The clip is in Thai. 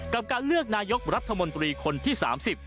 กับการเลือกนายกรัฐมนตรีคนที่๓๐